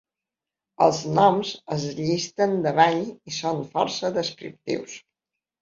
Els noms es llisten davall i són força descriptius.